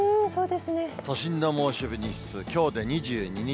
都心の猛暑日日数きょうで２２日。